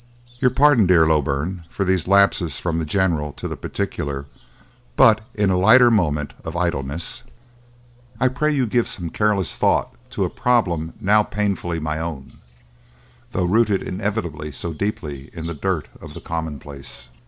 "Your pardon, dear Loughburne, for these lapses from the general to the particular, but in a lighter moment of idleness, I pray you give some careless thought to a problem now painfully my own, though rooted inevitably so deeply in the dirt of the commonplace.